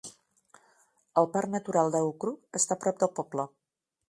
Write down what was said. El parc natural d'Aukrug està a prop del poble.